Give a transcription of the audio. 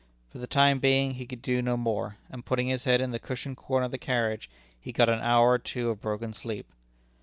For the time being he could do no more; and putting his head in the cushioned corner of the carriage, he got an hour or two of broken sleep.